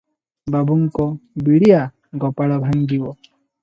ବାବୁଙ୍କ ବିଡ଼ିଆ ଗୋପାଳ ଭାଙ୍ଗିବ ।